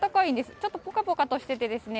ちょっとぽかぽかとしていてですね